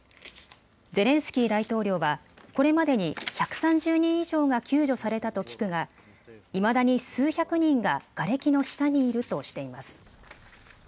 ゼレンスキー大統領はこれまでに１３０人以上が救助されたと聞くがいまだに数百人ががれきの下にいるとしています。